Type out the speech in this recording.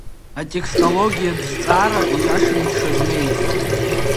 Атекстологиатә зҵаара ииашаны дшазнеиз.